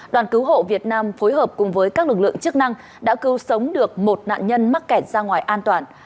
đoàn cứu hộ việt nam phối hợp cùng với các lực lượng chức năng đã cứu sống được một nạn nhân mắc kẹt ra ngoài an toàn